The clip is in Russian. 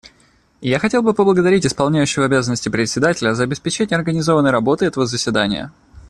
Я хотел бы поблагодарить Исполняющего обязанности Председателя за обеспечение организованной работы этого заседания.